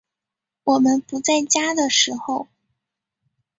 我们不在家的时候